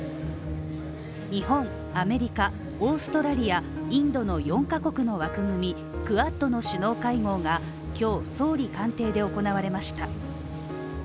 日本、アメリカ、オーストラリア、インドの４カ国の枠組みクアッドの首脳会合が今日総理官邸で行われました。